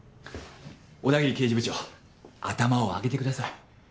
小田切刑事部長頭を上げてください。